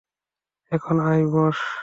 এখানে আয়, বস।